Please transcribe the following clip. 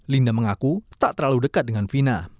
linda mengaku tak terlalu dekat dengan vina